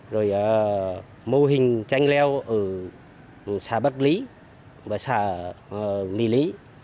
rồi mô hình tranh leo ở xã bắc lý và xã mì lý